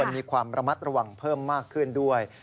มีความระมัดระวังเพิ่มมากขึ้นด้วย